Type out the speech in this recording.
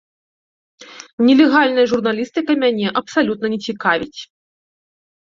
Нелегальная журналістыка мяне абсалютна не цікавіць.